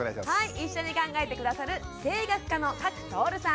一緒に考えて下さる声楽家の加耒徹さん。